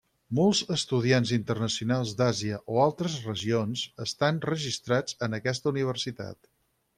Molts estudiants internacionals d'Àsia o altres regions estan registrats en aquesta universitat.